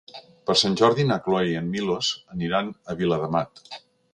Per Sant Jordi na Cloè i en Milos aniran a Viladamat.